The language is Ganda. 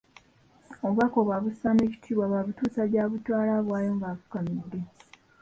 Obubaka obwo abussaamu ekitiibwa bw'abutuusa gy'abutwala abuwaayo nga afukamidde.